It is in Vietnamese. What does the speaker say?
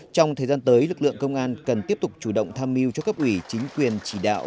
trong thời gian tới lực lượng công an cần tiếp tục chủ động tham mưu cho cấp ủy chính quyền chỉ đạo